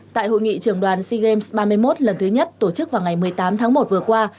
tại hội nghị trường đoàn sea games ba mươi một lần thứ nhất tổ chức vào ngày một mươi tám tháng một vừa qua